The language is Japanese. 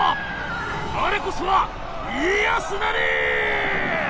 我こそは家康なりー！